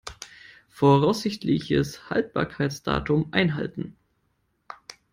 Voraussichtliches Haltbarkeitsdatum einhalten.